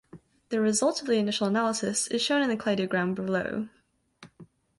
The result of the initial analysis is shown in the cladogram below.